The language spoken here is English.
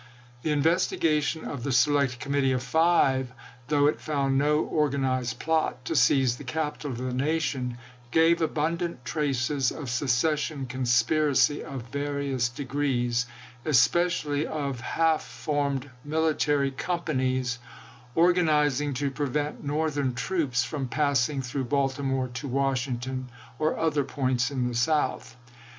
The investigation of the Select Com mittee of Five, though it found no organized plot to seize the capital of the nation, gave abundant traces of secession conspiracy of various degrees — especially of half formed military companies, or ganizing to prevent Northern troops from passing through Baltimore to Washington or other points in the South.